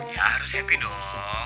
ya harus happy dong